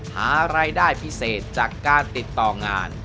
หารายได้พิเศษจากการติดต่องาน